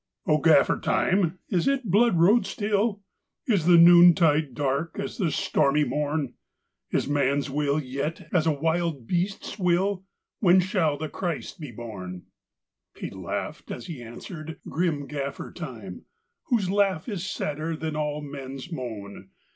" O Gaffer Time, is it blood road still? Is the noontide dark as the stormy morn? Is man s will yet as a wild beast s will? When shall the Christ be born? " He laughed as he answered, grim Gaffer Time, Whose laugh is sadder than all men s moan.